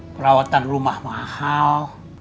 perawatan rumah mahal